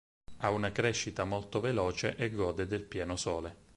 Ha una crescita molto veloce e gode del pieno sole.